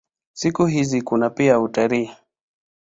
Siku hizi kuna pia utalii.